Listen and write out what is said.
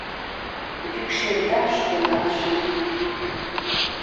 ...Йӱкшемдаш тӱҥалше йӱд.